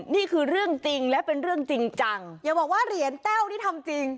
นี่คือเรื่องจริงและเป็นเรื่องจริงจังอย่าบอกว่าเหรียญแต้วนี่ทำจริง